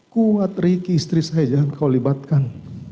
kuat riki istri saya jangan kau libatkan